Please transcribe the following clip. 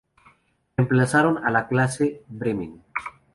Reemplazaron a la Clase Bremen.